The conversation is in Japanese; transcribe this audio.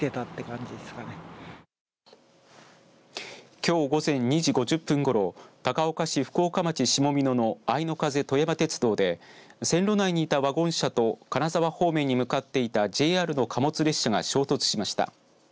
きょう午前２時５０分ごろ高岡市福岡町下蓑のあいの風とやま鉄道で線路内にいたワゴン車と金沢方面に向かっていたＪＲの貨物列車が衝突しました。